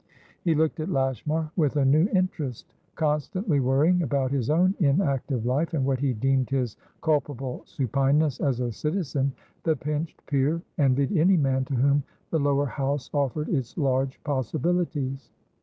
He looked at Lashmar with a new interest. Constantly worrying about his own inactive life, and what he deemed his culpable supineness as a citizen, the pinched peer envied any man to whom the Lower House offered its large possibilities.